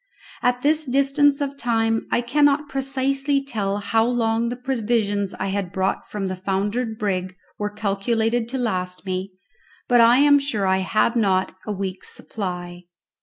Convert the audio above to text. At this distance of time I cannot precisely tell how long the provisions I had brought from the foundered brig were calculated to last me, but I am sure I had not a week's supply.